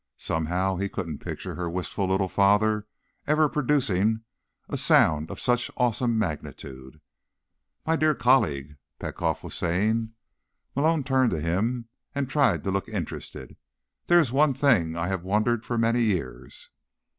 Somehow he couldn't picture her wistful little father ever producing a sound of such awesome magnitude. "My dear colleague," Petkoff was saying. Malone turned to him and tried to look interested. "There is one thing I have wondered for many years."